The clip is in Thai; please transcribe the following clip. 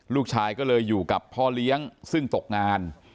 ลูกชายก็เลยอยู่กับพ่อเลี้ยงซึ่งตกงาน